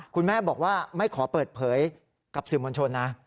คุณแม่บอกว่าไม่ขอเปิดเผยกับสื่อมวลชนนะ